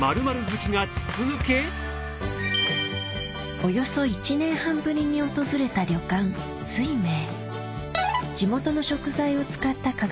およそ１年半ぶりに訪れた旅館おいしい！